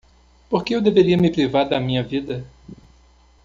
Por que eu deveria me privar da minha vida?